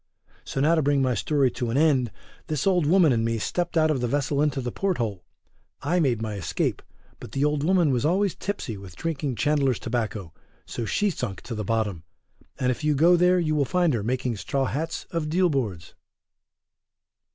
So now to bring my story to an end this Old Woman and me stepped out of the vessel into the port hole; I made my escape, but the Old Woman was always tipsy with drinking Chandler's tobacco, so she sunk to the bottom, and if you go there you will find her making straw hats of deal boards.